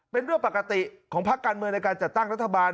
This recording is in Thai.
เป็นเรื่องปกติของพักการเมืองในการจัดตั้งรัฐบาล